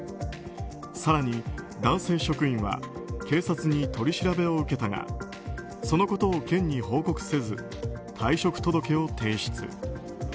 更に、男性職員は警察に取り調べを受けたがそのことを県に報告せず退職届を提出。